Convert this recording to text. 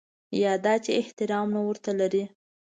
یا دا چې احترام نه ورته لري.